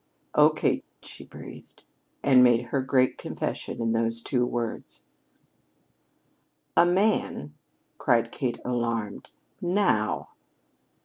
"Oh, Kate!" she breathed, and made her great confession in those two words. "A man!" cried Kate, alarmed. "Now!"